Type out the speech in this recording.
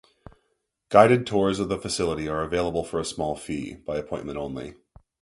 Guided tours of the facility are available for a small fee, by appointment only.